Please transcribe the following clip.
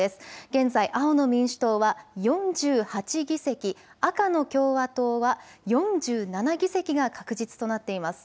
現在、青の民主党は４８議席、赤の共和党は４７議席が確実となっています。